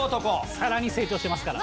さらに成長してますから。